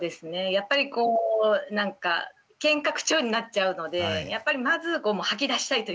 やっぱりこうなんかけんか口調になっちゃうのでやっぱりまず吐き出したいというか。